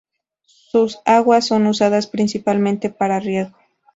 Sus aguas son usadas principalmente para riego.